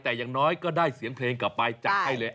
แต่อย่างน้อยก็ได้เสียงเพลงกลับไปจัดให้เลย